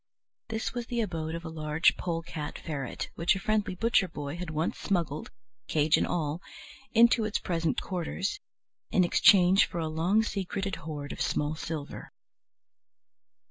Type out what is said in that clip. This was the abode of a large polecat ferret, which a friendly butcher boy had once smuggled, cage and all, into its present quarters, in exchange for a long secreted hoard of small silver.